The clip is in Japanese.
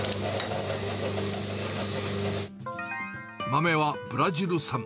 豆はブラジル産。